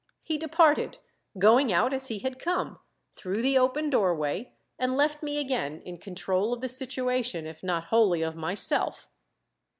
He departed, going out as he had come, through the open doorway, and left me again in control of the situation, if not wholly of myself.